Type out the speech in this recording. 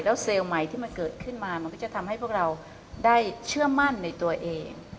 เซลล์ใหม่ที่มันเกิดขึ้นมามันก็จะทำให้พวกเราได้เชื่อมั่นในตัวเอง